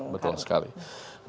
harus nih penting